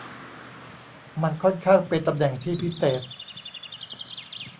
มันค่อนข้างเป็นตำแหน่งที่พิเศษ